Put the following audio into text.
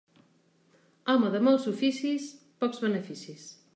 Home de molts oficis, pocs beneficis.